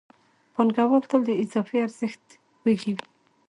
پانګوال تل د اضافي ارزښت وږی وي